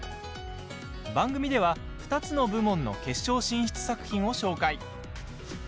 番組では２つの部門の決勝進出作品を紹介。